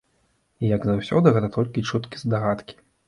І, як заўсёды, гэта толькі чуткі-здагадкі.